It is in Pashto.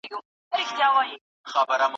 تير کال د هيواد اقتصادي وده مخ په ښکته روانه وه.